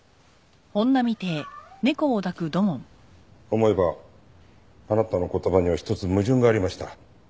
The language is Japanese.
思えばあなたの言葉には一つ矛盾がありました。